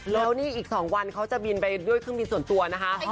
แล้วนี่อีก๒วันเขาจะบินไปด้วยเครื่องบินส่วนตัวนะคะ